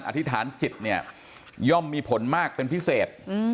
อธิษฐานจิตเนี่ยย่อมมีผลมากเป็นพิเศษ